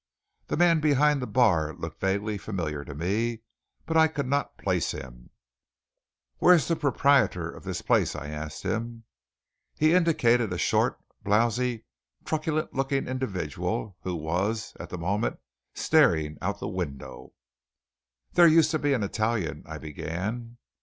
The man behind the bar looked vaguely familiar to me, but I could not place him. "Where's the proprietor of this place?" I asked him. He indicated a short, blowsy, truculent looking individual who was, at the moment, staring out the window. "There used to be an Italian " I began.